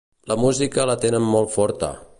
La música la tenen molt forta.